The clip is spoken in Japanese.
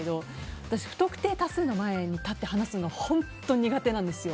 私、不特定多数の前に立って話すのが本当に苦手なんですよ。